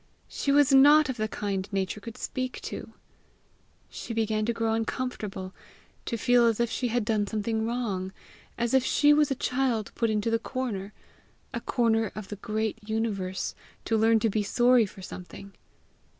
She was not of the kind Nature could speak to! She began to grow uncomfortable to feel as if she had done something wrong as if she was a child put into the corner a corner of the great universe, to learn to be sorry for something.